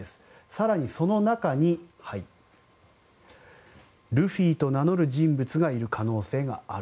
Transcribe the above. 更に、その中にルフィと名乗る人物がいる可能性がある。